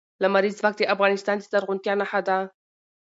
لمریز ځواک د افغانستان د زرغونتیا نښه ده.